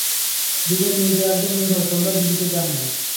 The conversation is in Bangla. দুজন মৃত, একজন নিখোঁজ, তোমারা জীবিত, কেমনে?